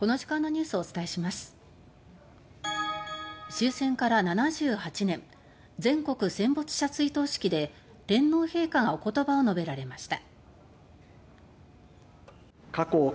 終戦から７８年全国戦没者追悼式で天皇陛下がおことばを述べられました。